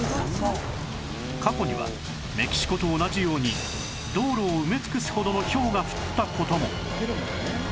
過去にはメキシコと同じように道路を埋め尽くすほどのひょうが降った事も